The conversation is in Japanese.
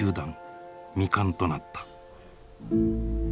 未完となった。